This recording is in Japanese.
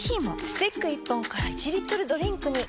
スティック１本から１リットルドリンクに！